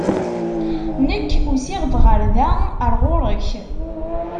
Nekk usiɣ-d ɣer da, ar ɣur-k.